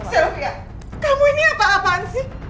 sofia kamu ini apa apaan sih